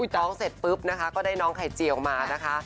น้องเสร็จปุ๊บนะคะก็ได้น้องไข่เจียวออกมานะคะ